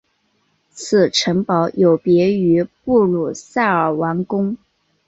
此城堡有别于布鲁塞尔王宫。